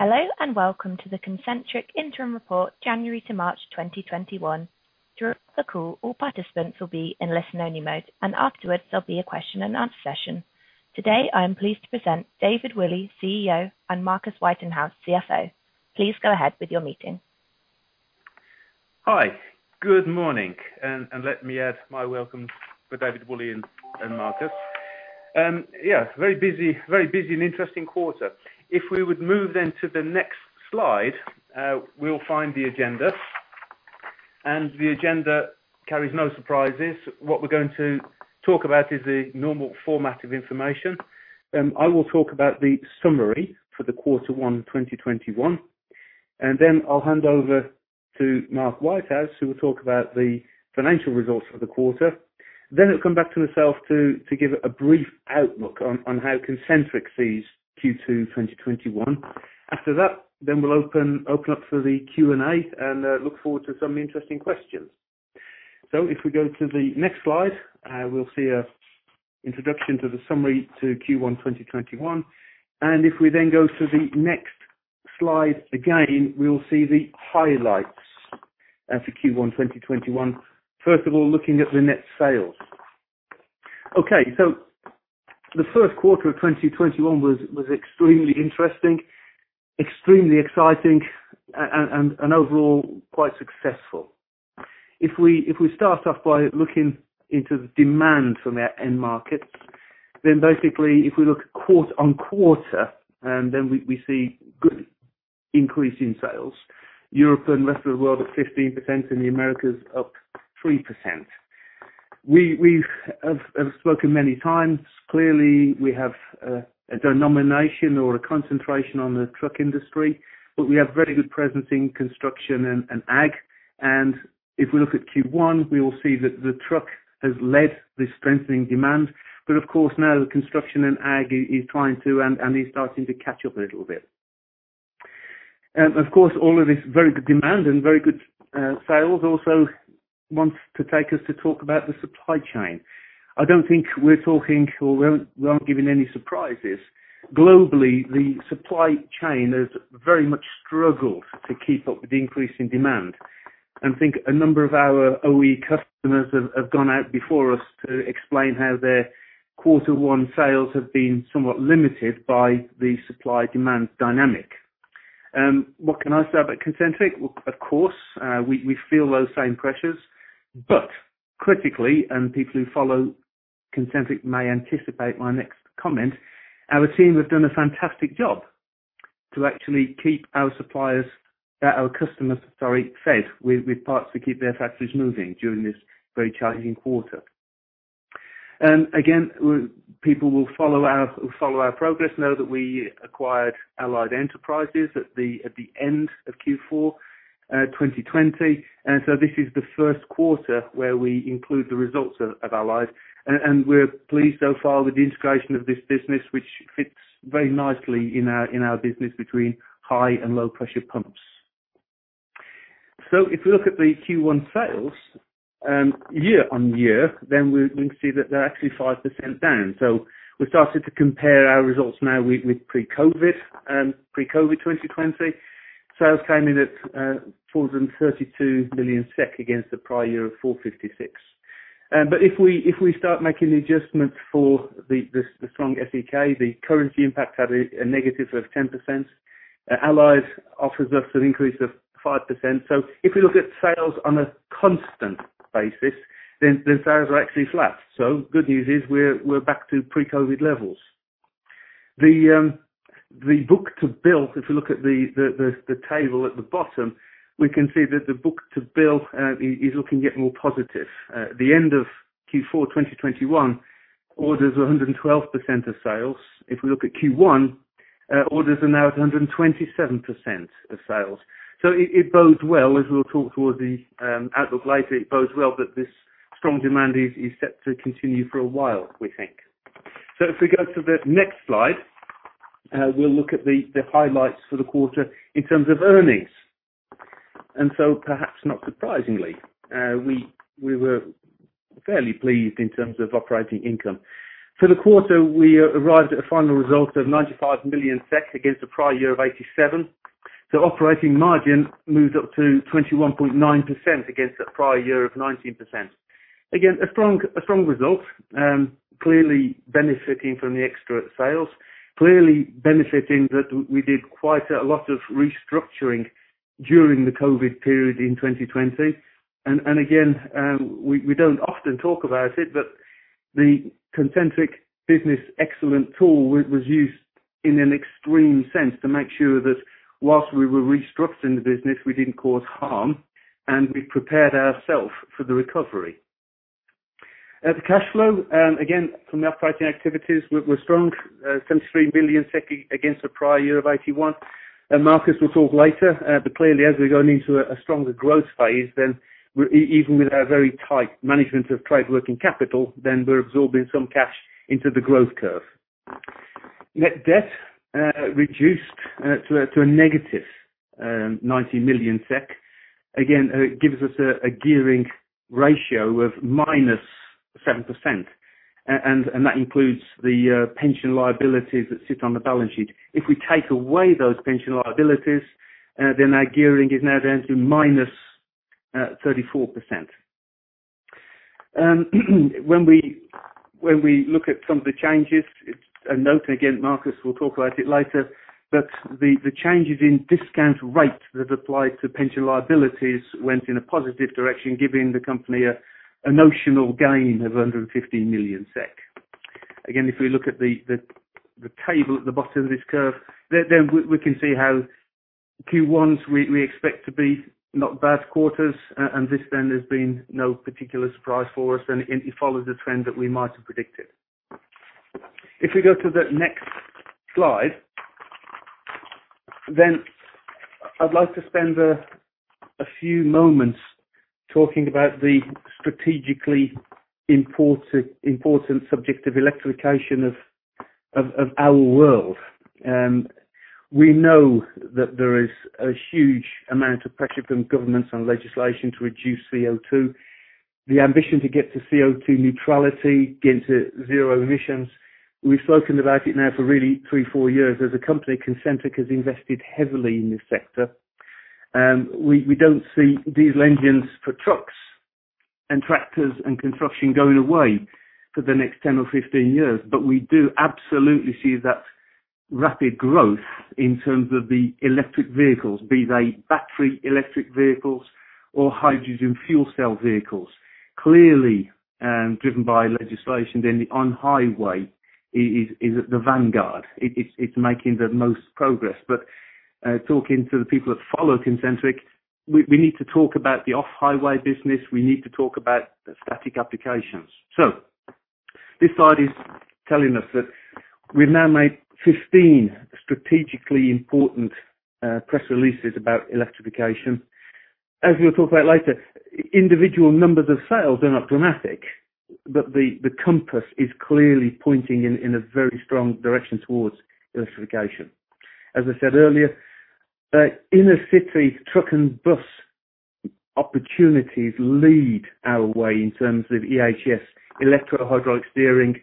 Hello, and welcome to the Concentric Interim Report January to March 2021. Throughout the call, all participants will be in listen-only mode, and afterwards there'll be a question and answer session. Today, I am pleased to present David Woolley, CEO, and Marcus Whitehouse, CFO. Please go ahead with your meeting. Hi. Good morning. Let me add my welcome for David Woolley and Marcus. Yeah, very busy and interesting quarter. If we would move then to the next slide, we'll find the agenda. The agenda carries no surprises. What we're going to talk about is the normal format of information. I will talk about the summary for the Q1 2021. Then I'll hand over to Marcus Whitehouse, who will talk about the financial results for the quarter. He'll come back to himself to give a brief outlook on how Concentric sees Q2 2021. After that, then we'll open up for the Q&A and look forward to some interesting questions. If we go to the next slide, we'll see an introduction to the summary to Q1 2021. If we then go to the next slide again, we'll see the highlights for Q1 2021. First of all, looking at the net sales. The first quarter of 2021 was extremely interesting, extremely exciting, and overall, quite successful. If we start off by looking into the demand from our end markets, basically if we look at quarter-on-quarter, then we see good increase in sales. Europe and rest of the world up 15% and the Americas up 3%. We have spoken many times. Clearly we have a denomination or a concentration on the truck industry, we have very good presence in construction and ag. If we look at Q1, we will see that the truck has led the strengthening demand. Of course, now the construction and ag is starting to catch up a little bit. All of this very good demand and very good sales also wants to take us to talk about the supply chain. I don't think we're talking or we aren't giving any surprises. Globally, the supply chain has very much struggled to keep up with the increase in demand. I think a number of our OE customers have gone out before us to explain how their quarter one sales have been somewhat limited by the supply-demand dynamic. What can I say about Concentric? We feel those same pressures. Critically, and people who follow Concentric may anticipate my next comment, our team have done a fantastic job to actually keep our customers fed with parts to keep their factories moving during this very challenging quarter. People will follow our progress know that we acquired Allied Enterprises at the end of Q4 2020. This is the first quarter where we include the results of Allied, and we're pleased so far with the integration of this business, which fits very nicely in our business between high and low pressure pumps. If we look at the Q1 sales, year-on-year, then we can see that they're actually 5% down. We started to compare our results now with pre-COVID 2020. Sales came in at 432 million SEK against the prior year of 456 million. If we start making the adjustments for the strong SEK, the currency impact had a negative of 10%. Allied offers us an increase of 5%. If we look at sales on a constant basis, then sales are actually flat. Good news is we're back to pre-COVID levels. The book to bill, if you look at the table at the bottom, we can see that the book to bill is looking yet more positive. At the end of Q4 2021, orders were 112% of sales. If we look at Q1, orders are now at 127% of sales. It bodes well as we'll talk towards the outlook later. It bodes well that this strong demand is set to continue for a while, we think. If we go to the next slide, we'll look at the highlights for the quarter in terms of earnings. Perhaps not surprisingly, we were fairly pleased in terms of operating income. For the quarter, we arrived at a final result of 95 million SEK against the prior year of 87. Operating margin moved up to 21.9% against the prior year of 19%. A strong result, clearly benefiting from the extra sales, clearly benefiting that we did quite a lot of restructuring during the COVID period in 2020. We don't often talk about it, but the Concentric Business Excellence tool was used in an extreme sense to make sure that whilst we were restructuring the business, we didn't cause harm and we prepared ourself for the recovery. The cash flow, again, from the operating activities were strong. 73 million SEK against the prior year of 81. Marcus will talk later, clearly as we go into a stronger growth phase, even with our very tight management of trade working capital, we're absorbing some cash into the growth curve. Net debt reduced to a negative 90 million SEK. It gives us a gearing ratio of -7%. That includes the pension liabilities that sit on the balance sheet. If we take away those pension liabilities, our gearing is now down to -34%. When we look at some of the changes, it is a note, and again, Marcus will talk about it later, but the changes in discount rate that applied to pension liabilities went in a positive direction, giving the company a notional gain of 150 million SEK. If we look at the table at the bottom of this curve, we can see how Q1s we expect to be not bad quarters, and this then has been no particular surprise for us, and it follows the trend that we might have predicted. If we go to the next slide, then I'd like to spend a few moments talking about the strategically important subject of electrification of our world. We know that there is a huge amount of pressure from governments on legislation to reduce CO2. The ambition to get to CO2 neutrality, get to zero emissions, we've spoken about it now for really three, four years. As a company, Concentric has invested heavily in this sector. We don't see diesel engines for trucks and tractors and construction going away for the next 10 or 15 years, but we do absolutely see that rapid growth in terms of the electric vehicles, be they battery electric vehicles or hydrogen fuel cell vehicles. Clearly, driven by legislation, the on-highway is the vanguard. It's making the most progress. Talking to the people that follow Concentric, we need to talk about the off-highway business. We need to talk about static applications. This slide is telling us that we've now made 15 strategically important press releases about electrification. As we'll talk about later, individual numbers of sales are not dramatic, but the compass is clearly pointing in a very strong direction towards electrification. As I said earlier, inner city truck and bus opportunities lead our way in terms of EHS, electro-hydraulic steering,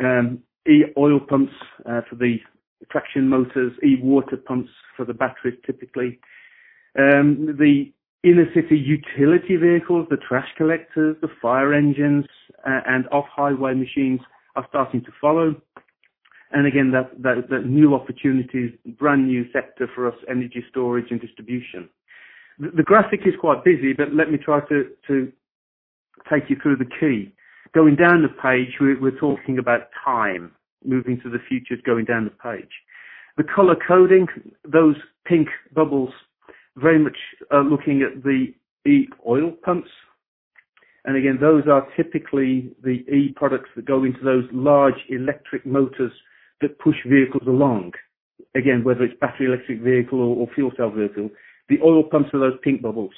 eOil pumps for the traction motors, eWater pumps for the batteries, typically. The inner city utility vehicles, the trash collectors, the fire engines, and off-highway machines are starting to follow. Again, that new opportunities, brand new sector for us, energy storage and distribution. The graphic is quite busy, but let me try to take you through the key. Going down the page, we're talking about time. Moving to the future is going down the page. The color coding, those pink bubbles very much are looking at the eOil pumps. Again, those are typically the E products that go into those large electric motors that push vehicles along. Again, whether it's battery electric vehicle or fuel cell vehicle, the oil pumps are those pink bubbles.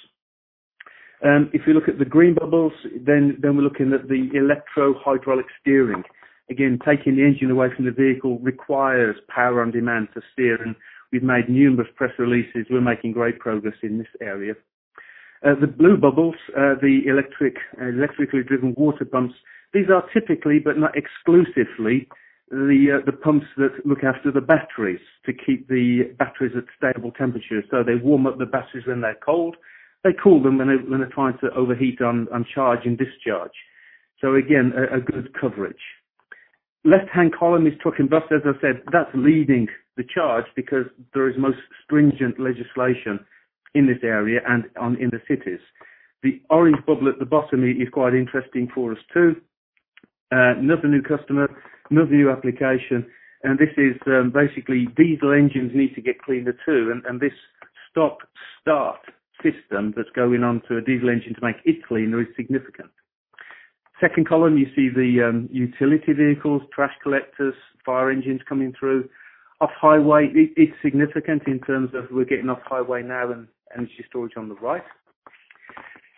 If you look at the green bubbles, we're looking at the electro-hydraulic steering. Again, taking the engine away from the vehicle requires power on demand for steering. We've made numerous press releases. We're making great progress in this area. The blue bubbles, the electrically driven water pumps. These are typically, but not exclusively, the pumps that look after the batteries to keep the batteries at stable temperatures. They warm up the batteries when they're cold. They cool them when they try to overheat on charge and discharge. Again, a good coverage. Left-hand column is truck and bus. As I said, that's leading the charge because there is most stringent legislation in this area and in the cities. The orange bubble at the bottom is quite interesting for us, too. Another new customer, another new application, this is basically diesel engines need to get cleaner, too. This stop-start system that's going on to a diesel engine to make it cleaner is significant. Second column, you see the utility vehicles, trash collectors, fire engines coming through. Off-highway is significant in terms of we're getting off-highway now and energy storage on the right.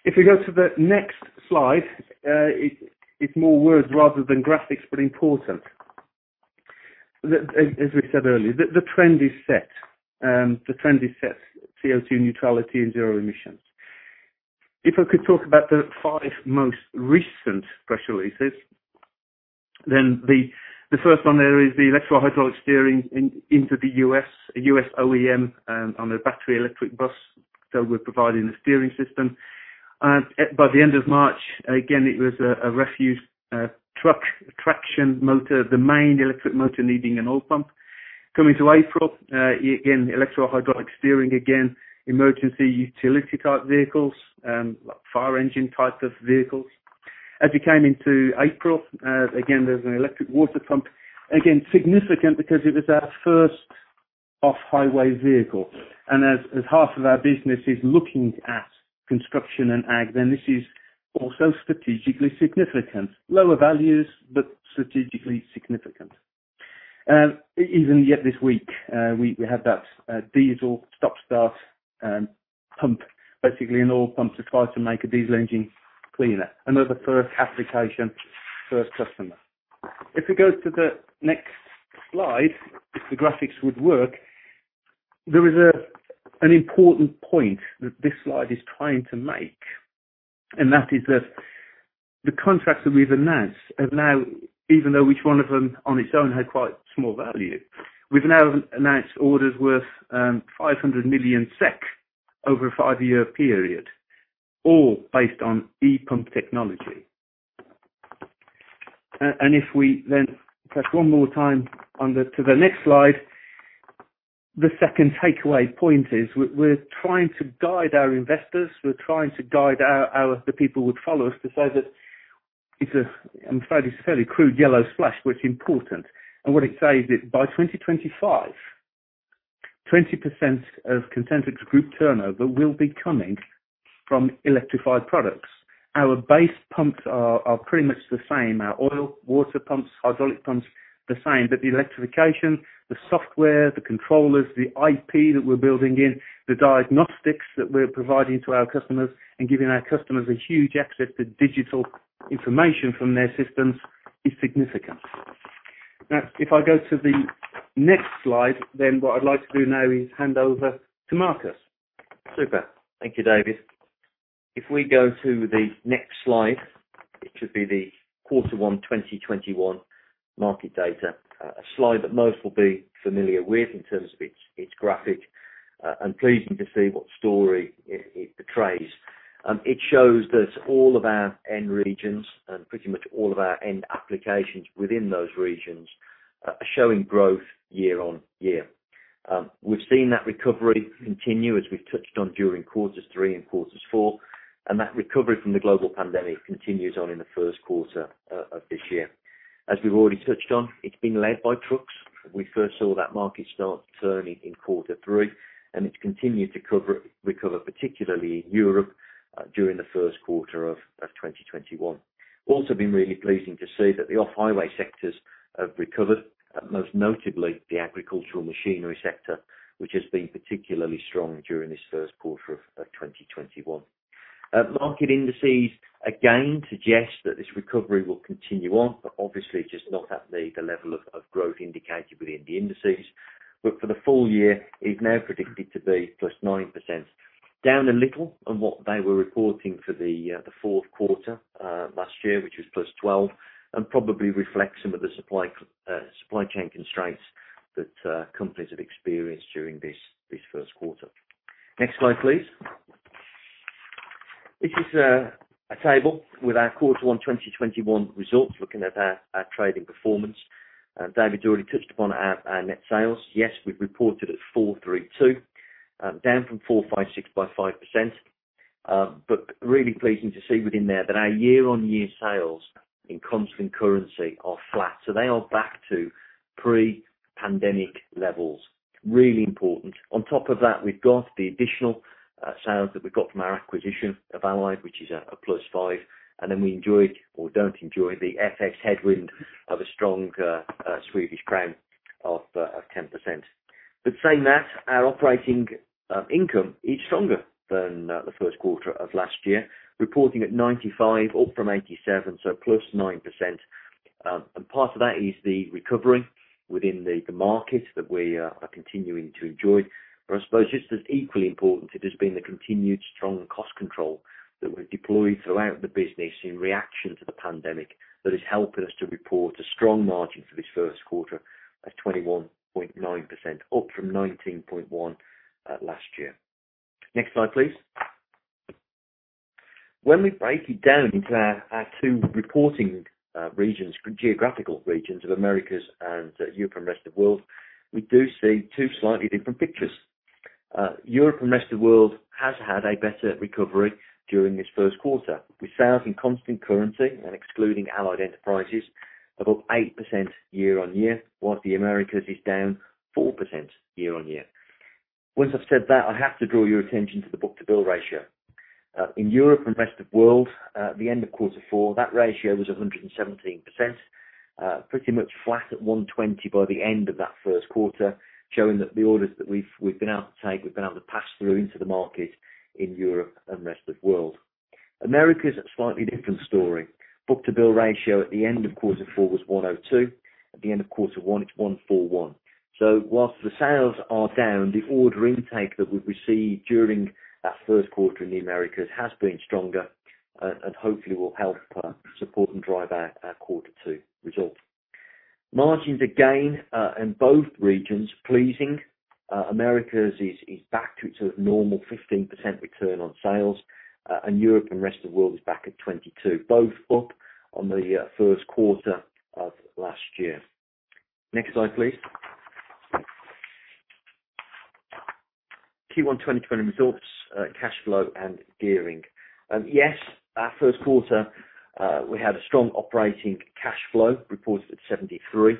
If we go to the next slide, it's more words rather than graphics, but important. As we said earlier, the trend is set. The trend is set, CO2 neutrality and zero emissions. If I could talk about the five most recent press releases, the first one there is the electro-hydraulic steering into the U.S., a U.S. OEM on a battery electric bus that we're providing the steering system. By the end of March, again, it was a refuse truck traction motor, the main electric motor needing an oil pump. Coming to April, electro-hydraulic steering again, emergency utility-type vehicles, fire engine type of vehicles. As we came into April, there's an electric water pump. Again, significant because it was our first off-highway vehicle. As half of our business is looking at construction and ag, this is also strategically significant. Lower values, but strategically significant. Even yet this week, we had that diesel stop-start pump, basically an oil pump to try to make a diesel engine cleaner. Another first application, first customer. If we go to the next slide, if the graphics would work. There is an important point that this slide is trying to make, and that is that the contracts that we've announced have now, even though each one of them on its own had quite small value, we've now announced orders worth 500 million SEK over a five-year period, all based on ePump technology. If we then press one more time on to the next slide, the second takeaway point is we're trying to guide our investors, we're trying to guide the people who would follow us to say that it's a fairly crude yellow splash, but it's important. What it says is by 2025, 20% of Concentric's group turnover will be coming from electrified products. Our base pumps are pretty much the same. Our oil, water pumps, hydraulic pumps, the same. The electrification, the software, the controllers, the IP that we're building in, the diagnostics that we're providing to our customers and giving our customers a huge access to digital information from their systems is significant. If I go to the next slide, what I'd like to do now is hand over to Marcus. Super. Thank you, David. If we go to the next slide, it should be the quarter one 2021 market data. A slide that most will be familiar with in terms of its graphic, and pleasing to see what story it portrays. It shows that all of our end regions and pretty much all of our end applications within those regions are showing growth year on year. We've seen that recovery continue as we've touched on during quarter three and quarter four, and that recovery from the global pandemic continues on in the first quarter of this year. As we've already touched on, it's been led by trucks. We first saw that market start turning in quarter three, and it's continued to recover, particularly in Europe, during the first quarter of 2021. Been really pleasing to see that the off-highway sectors have recovered, most notably the agricultural machinery sector, which has been particularly strong during this first quarter of 2021. Market indices, again, suggest that this recovery will continue on, but obviously just not at the level of growth indicated within the indices. For the full year, is now predicted to be +9%. Down a little on what they were reporting for the fourth quarter last year, which was +12%, and probably reflects some of the supply chain constraints that companies have experienced during this first quarter. Next slide, please. This is a table with our quarter one 2021 results, looking at our trading performance. David already touched upon our net sales. Yes, we've reported at 432, down from 456 by 5%, but really pleasing to see within there that our year-on-year sales in constant currency are flat. They are back to pre-pandemic levels. Really important. We've got the additional sales that we got from our acquisition of Allied, which is a +5, we enjoyed or don't enjoy the FX headwind of a strong Swedish krona of 10%. Our operating income is stronger than the first quarter of last year, reporting at 95, up from 87, +9%. Part of that is the recovery within the market that we are continuing to enjoy. I suppose just as equally important, it has been the continued strong cost control that we've deployed throughout the business in reaction to the pandemic that is helping us to report a strong margin for this first quarter at 21.9%, up from 19.1% last year. Next slide, please. When we break it down into our two reporting regions, geographical regions of Americas and Europe and Rest of World, we do see two slightly different pictures. Europe and Rest of World has had a better recovery during this first quarter, with sales in constant currency and excluding Allied Enterprises of 8% year-on-year, while the Americas is down 4% year-on-year. Once I've said that, I have to draw your attention to the book to bill ratio. In Europe and Rest of World, at the end of quarter four, that ratio was 117%, pretty much flat at 120% by the end of that first quarter, showing that the orders that we've been able to take, we've been able to pass through into the market in Europe and Rest of World. America is a slightly different story. Book to bill ratio at the end of quarter four was 102%. At the end of quarter one, it's 141. While the sales are down, the order intake that we've received during that first quarter in the Americas has been stronger and hopefully will help support and drive our quarter two results. Margins again, in both regions, pleasing. Americas is back to its normal 15% return on sales, and Europe and Rest of World is back at 22, both up on the first quarter of last year. Next slide, please. Q1 2021 results, cash flow and gearing. Our first quarter, we had a strong operating cash flow reported at 73.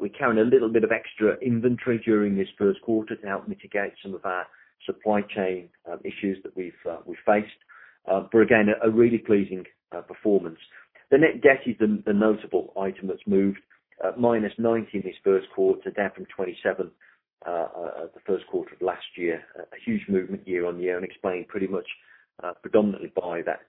We carried a little bit of extra inventory during this first quarter to help mitigate some of our supply chain issues that we faced. Again, a really pleasing performance. The net debt is the notable item that's moved. Minus 90 in this first quarter, down from 27 the first quarter of last year. A huge movement year-over-year explained pretty much predominantly by that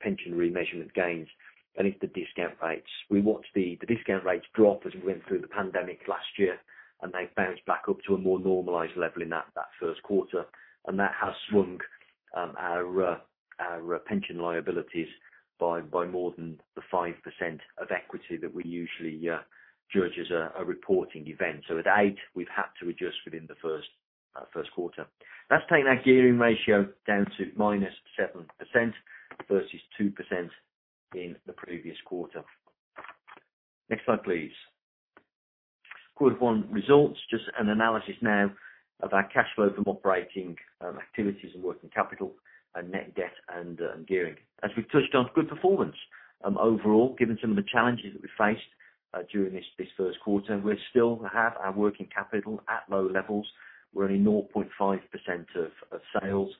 pension remeasurement gains and into the discount rates. We watched the discount rates drop as we went through the pandemic last year. They bounced back up to a more normalized level in that first quarter. That has swung our pension liabilities by more than the 5% of equity that we usually judge as a reporting event. At 8%, we've had to adjust within the first quarter. That's taken our gearing ratio down to -7% versus 2% in the previous quarter. Next slide, please. Quarter one results, just an analysis now of our cash flow from operating activities and working capital and net debt and gearing. As we've touched on, good performance overall, given some of the challenges that we faced during this first quarter. We still have our working capital at low levels. We're only 0.5% of sales.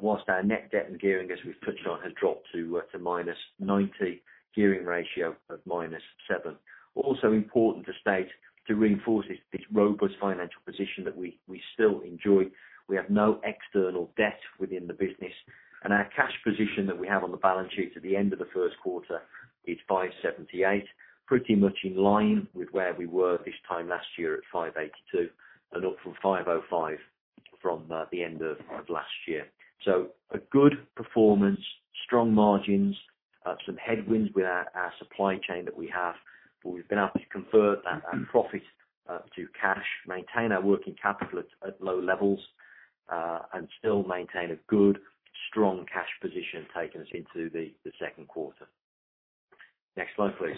While our net debt and gearing, as we've touched on, has dropped to -90, gearing ratio of -7. Also important to state, to reinforce this robust financial position that we still enjoy, we have no external debt within the business, and our cash position that we have on the balance sheet at the end of the first quarter is 578, pretty much in line with where we were this time last year at 582 and up from 505 from the end of last year. A good performance, strong margins, some headwinds with our supply chain that we have, but we've been able to convert that profit to cash, maintain our working capital at low levels, and still maintain a good, strong cash position taking us into the second quarter. Next slide, please.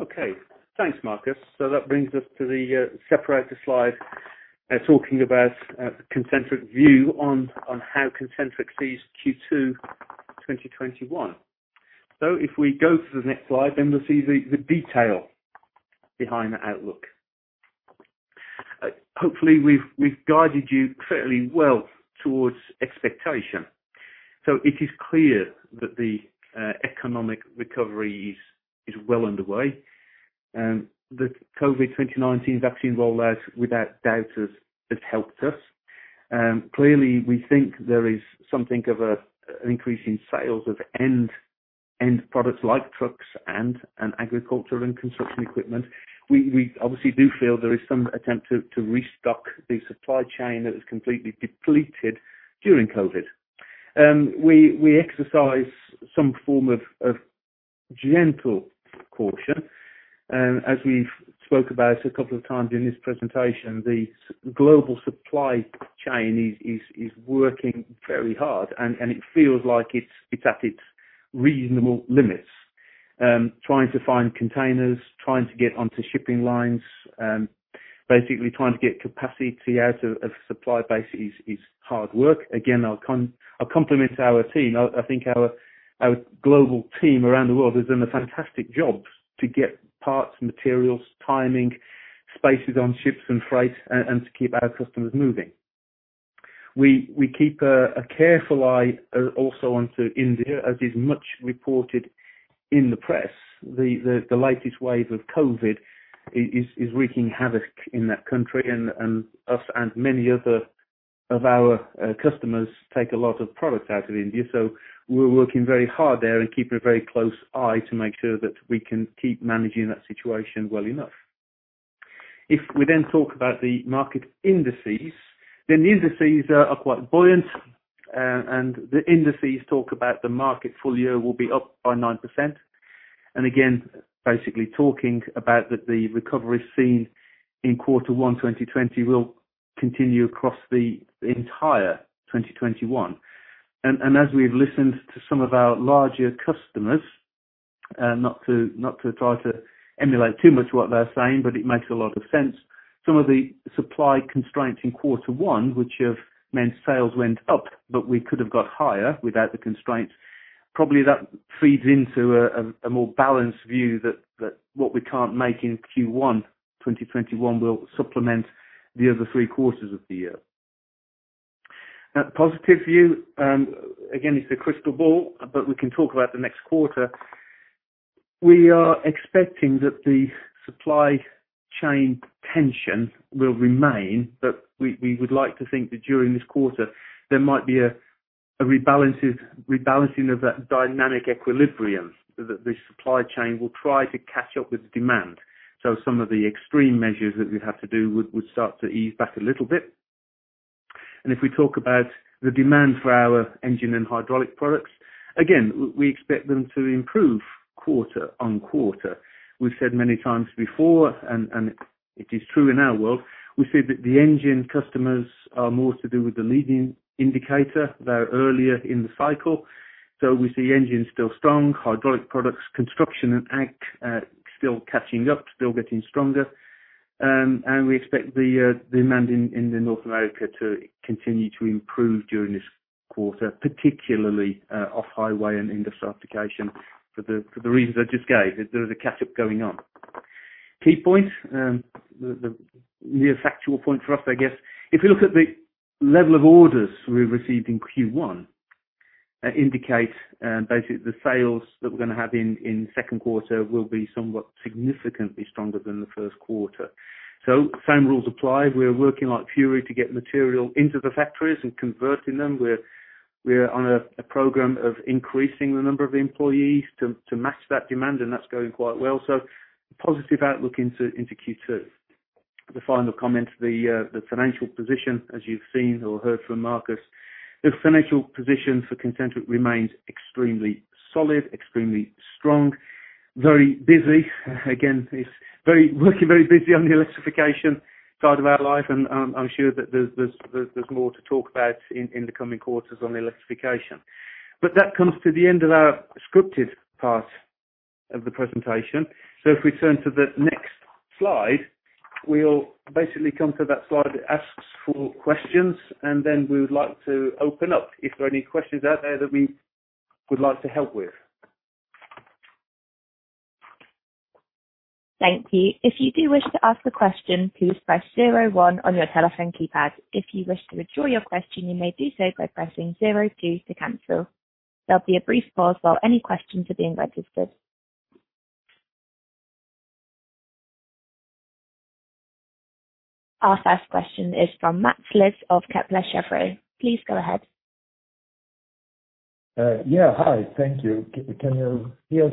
Okay. Thanks, Marcus. That brings us to the separator slide, talking about Concentric view on how Concentric sees Q2 2021. If we go to the next slide, we'll see the detail behind the outlook. Hopefully, we've guided you fairly well towards expectation. It is clear that the economic recovery is well underway. The COVID-19 vaccine rollout, without doubt, has helped us. Clearly, we think there is something of an increase in sales of end products like trucks and agricultural and construction equipment. We obviously do feel there is some attempt to restock the supply chain that was completely depleted during COVID. We exercise some form of gentle caution. As we've spoke about a couple of times during this presentation, the global supply chain is working very hard, and it feels like it's at its reasonable limits. Trying to find containers, trying to get onto shipping lines, basically trying to get capacity out of supply base is hard work. I compliment our team. I think our global team around the world has done a fantastic job to get parts, materials, timing, spaces on ships and freight, and to keep our customers moving. We keep a careful eye also onto India, as is much reported in the press. The latest wave of COVID is wreaking havoc in that country. Us and many other of our customers take a lot of products out of India. We're working very hard there and keeping a very close eye to make sure that we can keep managing that situation well enough. If we talk about the market indices, the indices are quite buoyant. The indices talk about the market full year will be up by 9%. Basically talking about that the recovery seen in Q1 2020 will continue across the entire 2021. As we've listened to some of our larger customers, not to try to emulate too much what they're saying, but it makes a lot of sense. Some of the supply constraints in Q1, which have meant sales went up, but we could have got higher without the constraints. Probably that feeds into a more balanced view that what we can't make in Q1 2021 will supplement the other 3 quarters of the year. The positive view, again, it's the crystal ball, but we can talk about the next quarter. We are expecting that the supply chain tension will remain, but we would like to think that during this quarter, there might be a rebalancing of that dynamic equilibrium, that the supply chain will try to catch up with demand. Some of the extreme measures that we have to do would start to ease back a little bit. If we talk about the demand for our engine and hydraulic products, again, we expect them to improve quarter-on-quarter. We've said many times before, and it is true in our world, we say that the engine customers are more to do with the leading indicator. They're earlier in the cycle. We see engines still strong, hydraulic products, construction and ag still catching up, still getting stronger. We expect the demand in North America to continue to improve during this quarter, particularly off-highway and industrial application for the reasons I just gave. There is a catch-up going on. Key points, the factual point for us, I guess. If you look at the level of orders we received in Q1, indicate basically the sales that we're going to have in the second quarter will be somewhat significantly stronger than the first quarter. Same rules apply. We are working like fury to get material into the factories and converting them. We're on a program of increasing the number of employees to match that demand, and that's going quite well. Positive outlook into Q2. The final comment, the financial position, as you've seen or heard from Marcus, the financial position for Concentric remains extremely solid, extremely strong, very busy. Again, it's working very busy on the electrification side of our life, and I'm sure that there's more to talk about in the coming quarters on the electrification. That comes to the end of our scripted part of the presentation. If we turn to the next slide, we'll basically come to that slide that asks for questions, and then we would like to open up if there are any questions out there that we would like to help with. Thank you. If you do wish to ask a question, please press zero one on your telephone keypad. If you wish to withdraw your question, you may do so by pressing zero two to cancel. There'll be a brief pause while any questions are being registered. Our first question is from Mats Liss of Kepler Cheuvreux. Please go ahead. Yeah. Hi. Thank you. Can you hear?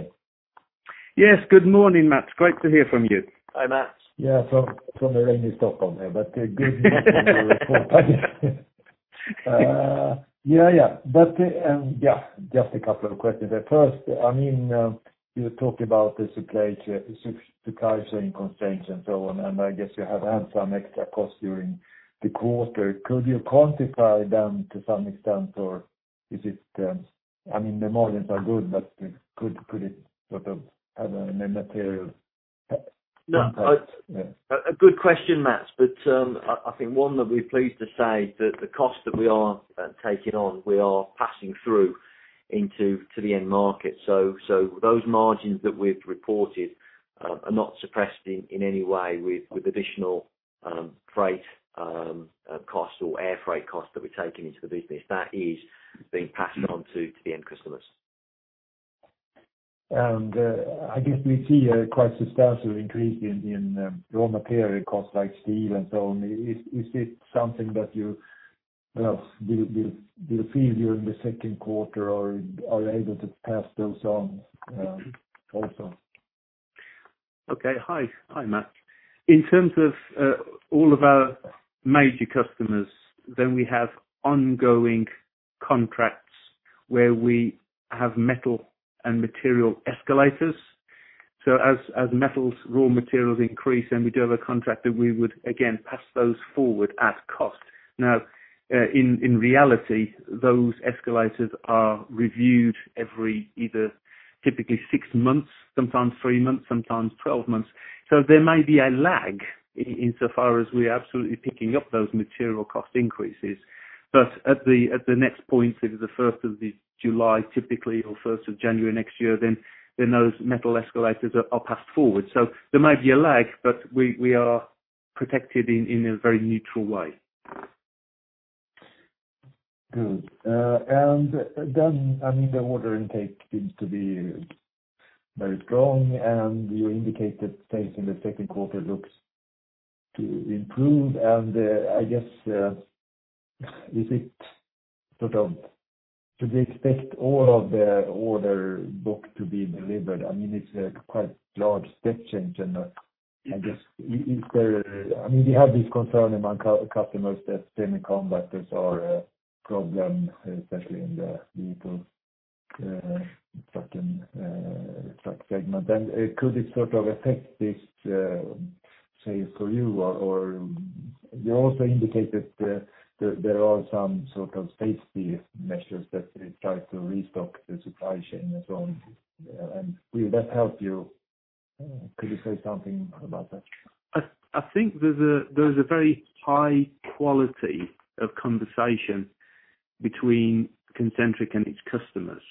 Yes. Good morning, Mats. Great to hear from you. Hi, Mats. Yeah, from the rainy Stockholm here, but good morning report. Yeah. Just a couple of questions there. First, you talked about the supply chain constraints and so on, and I guess you have had some extra costs during the quarter. Could you quantify them to some extent, or I mean, the margins are good, but could it sort of have a material impact? No. A good question, Mats, I think one that we're pleased to say that the cost that we are taking on, we are passing through into the end market. Those margins that we've reported are not suppressed in any way with additional freight cost or air freight cost that we're taking into the business. That is being passed on to the end customers. I guess we see a quite substantial increase in raw material costs like steel and so on. Is it something that you will feel during the second quarter or are able to pass those on also? Okay. Hi, Mats. In terms of all of our major customers, we have ongoing contracts where we have metal and material escalators. As metals, raw materials increase and we do have a contract that we would again pass those forward at cost. In reality, those escalators are reviewed every either typically six months, sometimes three months, sometimes 12 months. There may be a lag insofar as we are absolutely picking up those material cost increases. At the next point, it is the first of July, typically or first of January next year, those metal escalators are passed forward. There may be a lag, but we are protected in a very neutral way. Good. The order intake seems to be very strong, and you indicate that things in the second quarter looks to improve. I guess, should we expect all of the order book to be delivered? I mean, it's a quite large step change. I guess, I mean, we have this concern among customers that semiconductors are a problem, especially in the vehicle truck segment. Could it sort of affect this sales for you or you also indicated there are some sort of safety measures that try to restock the supply chain as well. Will that help you? Could you say something about that? I think there's a very high quality of conversation between Concentric and its customers.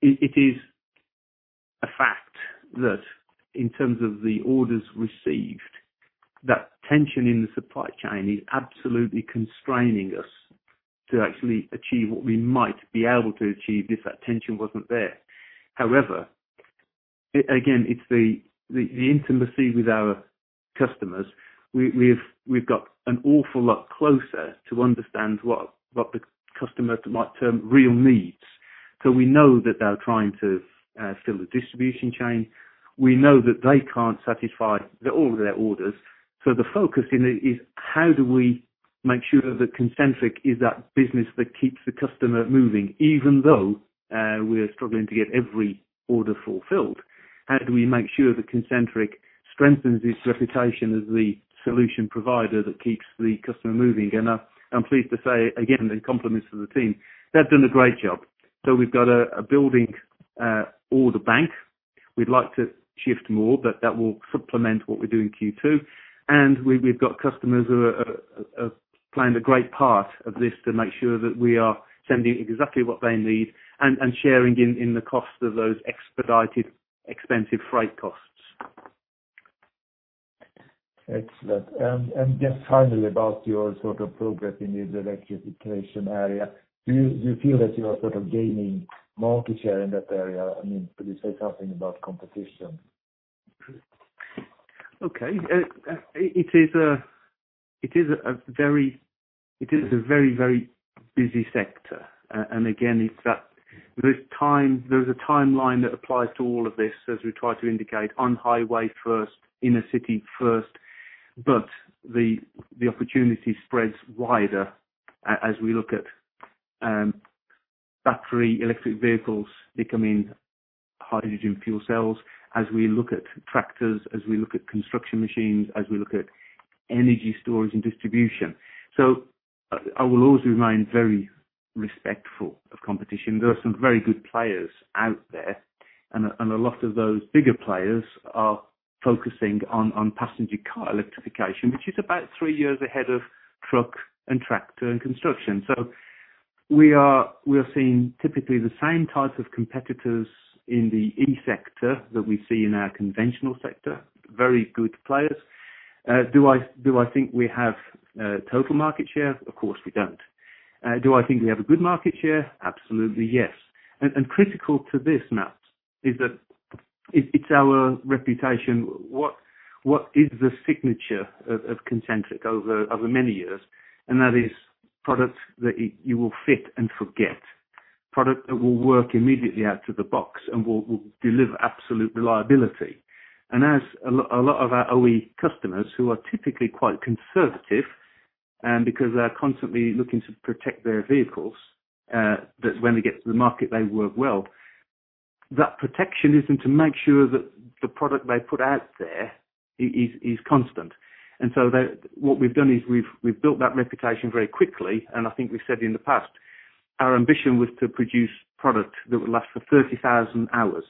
It is a fact that in terms of the orders received, that tension in the supply chain is absolutely constraining us to actually achieve what we might be able to achieve if that tension wasn't there. Again, it's the intimacy with our customers. We've got an awful lot closer to understand what the customer might term real needs. We know that they're trying to fill the distribution chain. We know that they can't satisfy all of their orders. The focus in it is how do we make sure that Concentric is that business that keeps the customer moving, even though we are struggling to get every order fulfilled. How do we make sure that Concentric strengthens its reputation as the solution provider that keeps the customer moving? I'm pleased to say, again, and compliments to the team, they've done a great job. We've got a building order bank. We'd like to shift more, but that will supplement what we do in Q2. We've got customers who have planned a great part of this to make sure that we are sending exactly what they need and sharing in the cost of those expedited expensive freight costs. Excellent. Just finally about your sort of progress in the electrification area. Do you feel that you are sort of gaining market share in that area? I mean, could you say something about competition? Okay. It is a very, very busy sector. Again, there is a timeline that applies to all of this as we try to indicate on highway first, inner city first. The opportunity spreads wider as we look at battery electric vehicles becoming hydrogen fuel cells, as we look at tractors, as we look at construction machines, as we look at energy storage and distribution. I will always remain very respectful of competition. There are some very good players out there, and a lot of those bigger players are focusing on passenger car electrification, which is about three years ahead of truck and tractor and construction. We are seeing typically the same type of competitors in the E-sector that we see in our conventional sector, very good players. Do I think we have total market share? Of course, we don't. Do I think we have a good market share? Absolutely, yes. Critical to this, Mats, is that it's our reputation. What is the signature of Concentric over many years? That is products that you will fit and forget, product that will work immediately out of the box and will deliver absolute reliability. As a lot of our OE customers who are typically quite conservative, and because they are constantly looking to protect their vehicles, that when they get to the market, they work well. That protectionism to make sure that the product they put out there is constant. What we've done is we've built that reputation very quickly, and I think we said in the past, our ambition was to produce product that would last for 30,000 hours.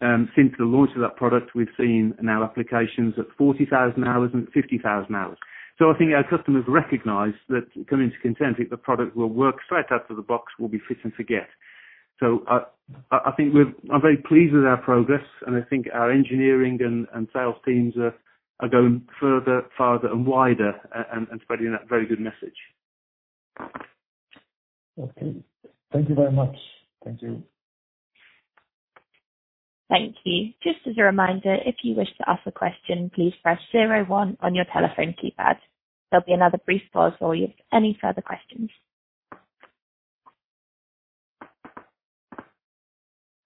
Since the launch of that product, we've seen now applications at 40,000 hours and 50,000 hours. I think our customers recognize that coming to Concentric, the product will work straight out of the box, will be fit and forget. I'm very pleased with our progress, and I think our engineering and sales teams are going further, farther, and wider, and spreading that very good message. Okay. Thank you very much. Thank you. Thank you. Just as a reminder, if you wish to ask a question, please press zero one on your telephone keypad. There'll be another brief pause while we have any further questions.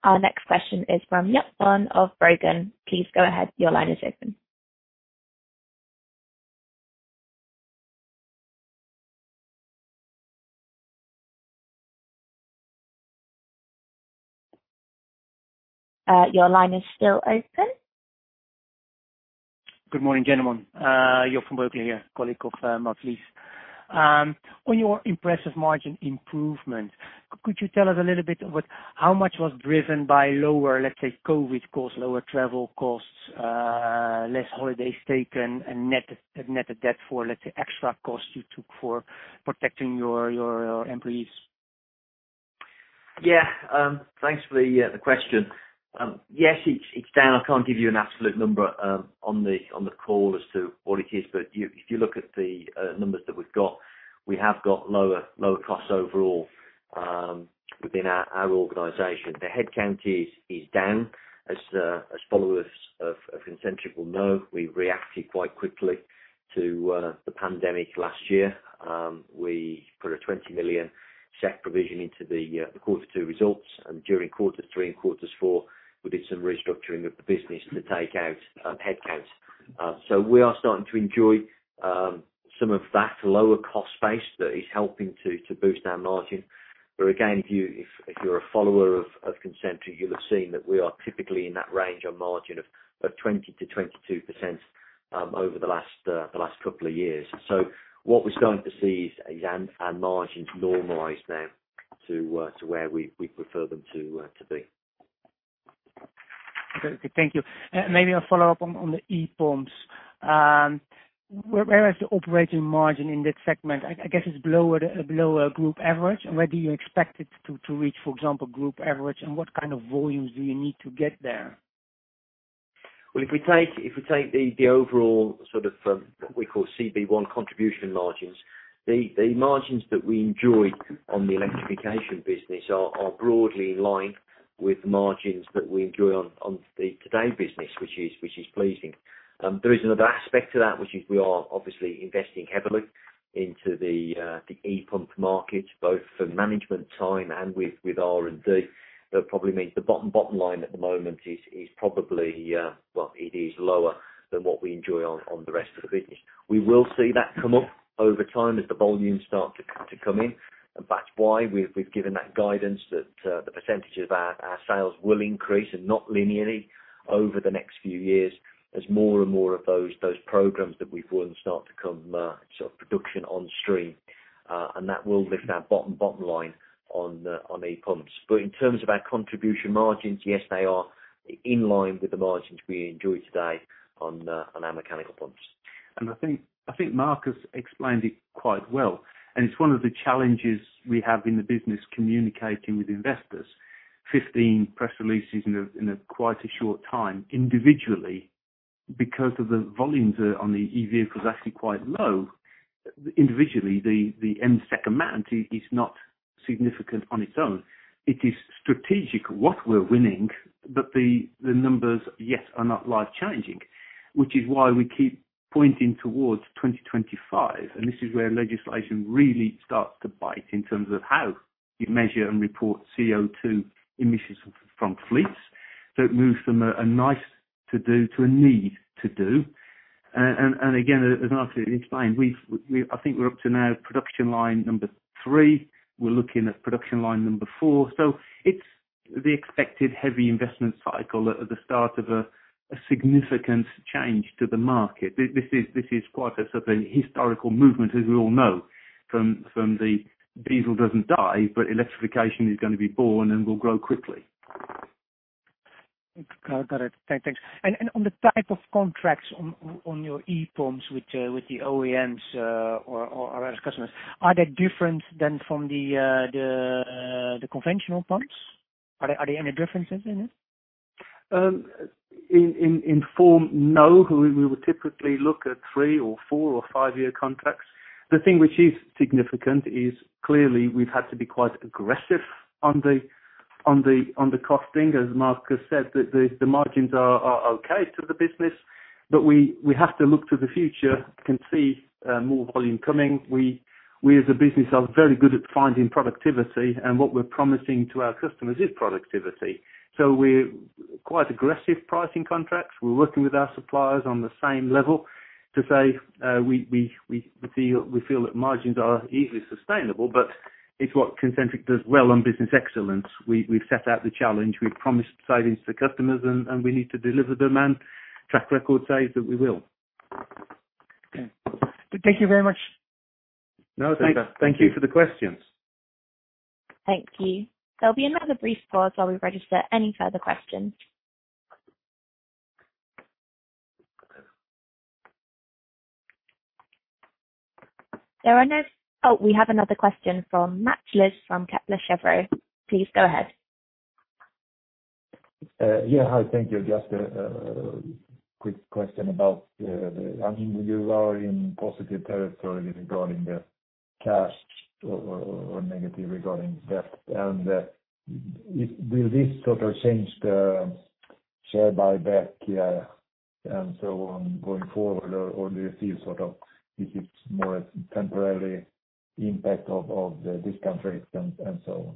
Our next question is from Johann of Berenberg. Please go ahead. Good morning, gentlemen. Johann from Berenberg here, colleague of Matthijs. On your impressive margin improvement, could you tell us a little bit about how much was driven by lower, let's say, COVID costs, lower travel costs, less holidays taken, and net debt for, let's say, extra costs you took for protecting your employees? Yeah. Thanks for the question. Yes, it's down. I can't give you an absolute number on the call as to what it is. If you look at the numbers that we've got, we have got lower costs overall within our organization. The head count is down. As followers of Concentric will know, we reacted quite quickly to the pandemic last year. We put a 20 million SEK provision into the quarter two results, and during quarter three and quarter four, we did some restructuring of the business to take out head counts. We are starting to enjoy some of that lower cost base that is helping to boost our margin. Again, if you're a follower of Concentric, you'll have seen that we are typically in that range of margin of 20%-22% over the last couple of years. What we're starting to see is our margins normalize now to where we prefer them to be. Okay. Thank you. Maybe a follow-up on the e-pumps. Where is the operating margin in that segment? I guess it is below group average. Where do you expect it to reach, for example, group average, and what kind of volumes do you need to get there? Well, if we take the overall sort of what we call CB-1 contribution margins, the margins that we enjoy on the electrification business are broadly in line with the margins that we enjoy on the today business, which is pleasing. There is another aspect to that, which is we are obviously investing heavily into the ePump market, both for management time and with R&D. That probably means the bottom line at the moment is lower than what we enjoy on the rest of the business. We will see that come up over time as the volumes start to come in, and that's why we've given that guidance that the percentage of our sales will increase, and not linearly, over the next few years as more and more of those programs that we've won start to come production on stream. That will lift our bottom line on e-pumps. In terms of our contribution margins, yes, they are in line with the margins we enjoy today on our mechanical pumps. I think Marcus explained it quite well, and it's one of the challenges we have in the business communicating with investors. 15 press releases in a quite a short time individually because of the volumes on the EV is actually quite low. Individually, the end stack amount is not significant on its own. It is strategic what we're winning, but the numbers, yes, are not life-changing, which is why we keep pointing towards 2025, and this is where legislation really starts to bite in terms of how you measure and report CO2 emissions from fleets. It moves from a nice to do to a need to do. Again, as Marcus explained, I think we're up to now production line number three. We're looking at production line number four. It's the expected heavy investment cycle at the start of a significant change to the market. This is quite a certain historical movement, as we all know, from the diesel doesn't die, but electrification is going to be born and will grow quickly. Got it. Okay, thanks. On the type of contracts on your ePumps with the OEMs or other customers, are they different than from the conventional pumps? Are there any differences in it? In form, no. We would typically look at three- or four- or five-year contracts. The thing which is significant is clearly we've had to be quite aggressive on the costing. As Marcus said, the margins are okay to the business, but we have to look to the future, can see more volume coming. We, as a business, are very good at finding productivity, and what we're promising to our customers is productivity. We're quite aggressive pricing contracts. We're working with our suppliers on the same level to say we feel that margins are easily sustainable, but it's what Concentric does well on Concentric Business Excellence. We've set out the challenge. We've promised savings to customers, and we need to deliver them, and track record says that we will. Okay. Thank you very much. No, thank you for the questions. Thank you. There'll be another brief pause while we register any further questions. Oh, we have another question from Mats Liss from Kepler Cheuvreux. Please go ahead. Yeah. Hi. Thank you. Just a quick question about. You are in positive territory regarding the cash or negative regarding debt, and will this sort of change the share buyback and so on going forward? Do you feel it is more a temporary impact of the discount rate and so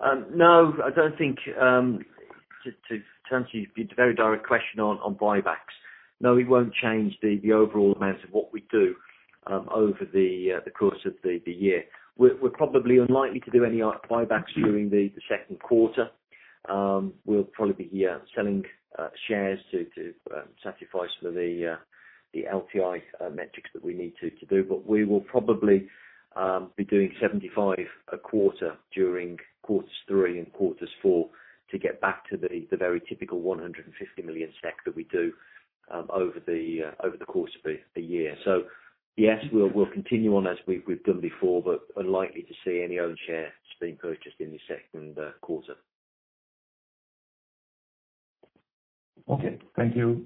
on? No, I don't think, to answer your very direct question on buybacks. No, we won't change the overall amount of what we do over the course of the year. We're probably unlikely to do any buybacks during the second quarter. We'll probably be selling shares to satisfy some of the LTI metrics that we need to do. We will probably be doing 75 million a quarter during quarters three and quarters four to get back to the very typical 150 million SEK that we do over the course of a year. Yes, we'll continue on as we've done before, but unlikely to see any own shares being purchased in the second quarter. Okay. Thank you.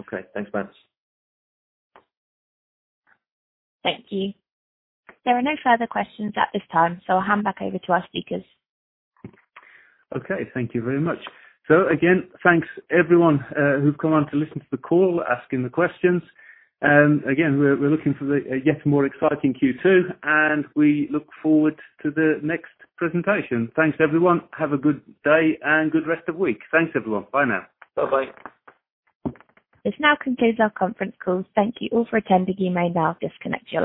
Okay. Thanks, Mats. Thank you. There are no further questions at this time, so I'll hand back over to our speakers. Okay. Thank you very much. Again, thanks everyone who's gone on to listen to the call, asking the questions. Again, we're looking for yet a more exciting Q2, and we look forward to the next presentation. Thanks, everyone. Have a good day and good rest of week. Thanks, everyone. Bye now. Bye-bye. This now concludes our conference call. Thank you all for attending. You may now disconnect your line.